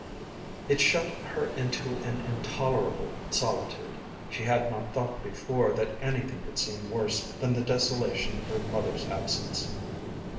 It shut her into an intolerable solitude. She had not thought before that anything could seem worse than the desolation of her mother's absence.